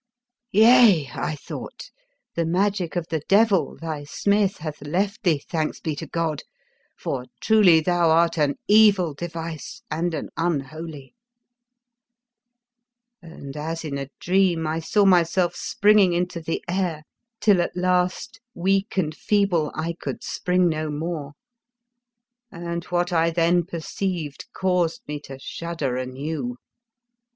" Yea," I thought, " the magic of the devil, thy smith, hath left thee, thanks be to God, for truly thou art an evil device and an unholy; " and, as in a dream, I saw myself springing into the air, till at last, weak and feeble, I could spring no more ; and what I then 32 The Fearsome Island perceived caused me to shudder anew.